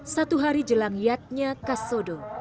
satu hari jelang iatnya kasodoh